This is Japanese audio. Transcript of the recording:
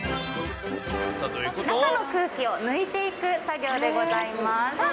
中の空気を抜いていく作業でございます。